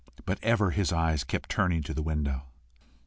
But ever his eyes kept turning to the window.